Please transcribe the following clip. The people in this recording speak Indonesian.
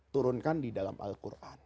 turunkan di dalam al quran